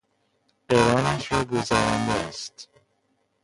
قرانش را گذرانده است